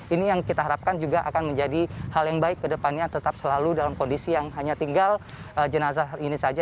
ini yang kita harapkan juga akan menjadi hal yang baik kedepannya tetap selalu dalam kondisi yang hanya tinggal jenazah ini saja